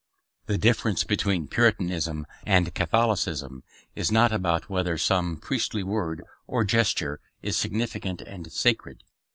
The difference between Puritanism and Catholicism is not about whether some priestly word or gesture is significant and sacred.